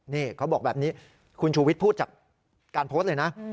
นี่เขาบอกแบบนี้คุณชูวิทย์พูดจากการโพสต์เลยนะ